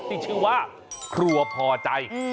ที่ชื่อว่าครัวพอใจ